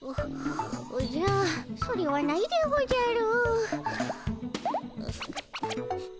おじゃそれはないでおじゃる。